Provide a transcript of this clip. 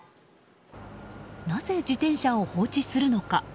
なぜ自転車を放置するのか。